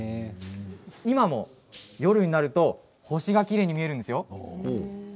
今も夜になると星がきれいに見えるんですよ。